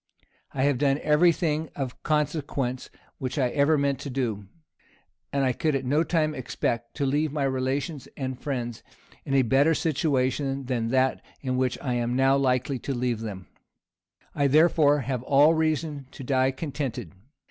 I have done every thing of consequence which I ever meant to do; and I could at no time expect to leave my relations and friends in a better situation than that in which I am now likely to leave them: I, therefore, have all reason to die contented."